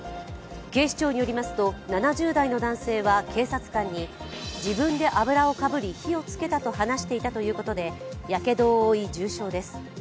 警視庁によりますと７０代の男性は警察官に自分で油をかぶり火をつけたと話していたということでやけどを負い、重傷です。